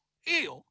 いいよ。